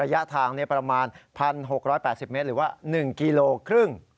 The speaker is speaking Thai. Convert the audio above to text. ระยะทางประมาณ๑๖๘๐เมตรหรือว่า๑กิโลครึ่ง